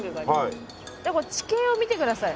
地形を見てください。